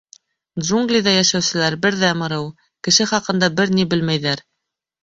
Джунглиҙа йәшәүселәр — берҙәм ырыу — кеше хаҡында бер ни белмәйҙәр.